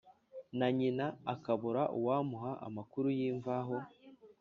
na nyina, akabura uwamuha amakuru y'imvaho.